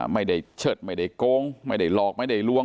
เชิดไม่ได้โกงไม่ได้หลอกไม่ได้ลวง